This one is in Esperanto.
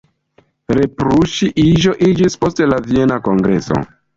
Reprusi-iĝo iĝis post la Viena kongreso.